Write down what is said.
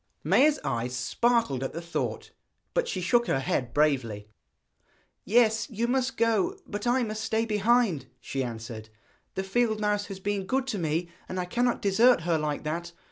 Maia's eyes sparkled at the thought, but she shook her head bravely. 'Yes, you must go; but I must stay behind,' she answered. 'The field mouse has been good to me, and I cannot desert her like that.